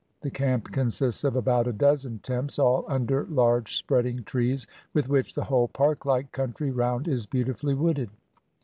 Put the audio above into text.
The camp consists of about a dozen tents, all under large spreading trees, with which the whole park like country round is beautifully wooded.